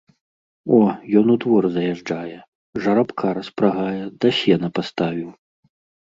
О, ён у двор заязджае, жарабка распрагае, да сена паставіў.